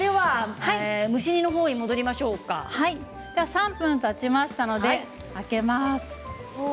３分たちましたので開けます。